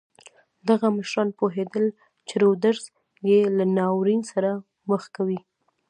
دغه مشران پوهېدل چې رودز یې له ناورین سره مخ کوي.